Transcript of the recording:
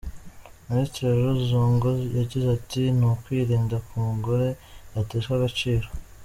Minisitiri Laure Zongo yagize ati “…ni ukwirinda ko umugore yateshwa agaciro.